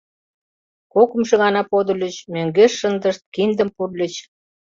Кокымшо гана подыльыч, мӧҥгеш шындышт, киндым пурльыч.